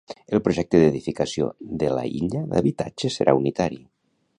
El Projecte d'edificació de la illa d'habitatges serà unitari.